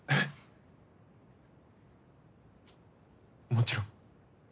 もちろん。